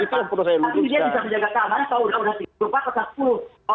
tapi dia bisa menjaga keamanan kalau sudah tiga empat ke satu